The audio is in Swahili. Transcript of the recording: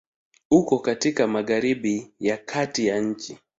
Uko katika Magharibi ya kati ya nchi.